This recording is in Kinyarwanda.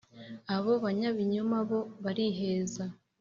abo banyabinyoma bo bariheza.